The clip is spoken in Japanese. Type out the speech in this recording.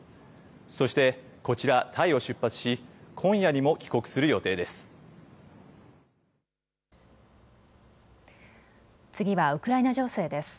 そしてこちらタイを出発し今夜にも帰国する予定です。